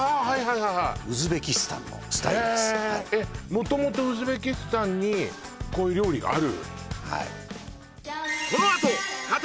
もともとウズベキスタンにこういう料理がある？